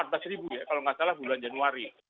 kalau nggak salah bulan januari